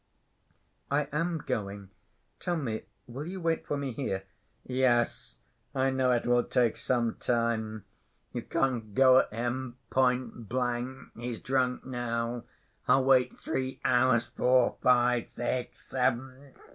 "I am going. Tell me, will you wait for me here?" "Yes. I know it will take some time. You can't go at him point blank. He's drunk now. I'll wait three hours—four, five, six, seven.